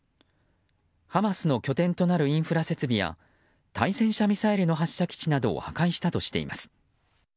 ハマスの拠点となるインフラ設備や対戦車ミサイルの発射基地などを破壊したとしています。